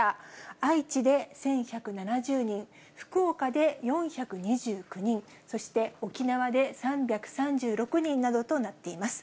愛知で１１７０人、福岡で４２９人、そして沖縄で３３６人などとなっています。